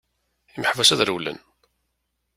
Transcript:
Imeḥbas ad rewwlen!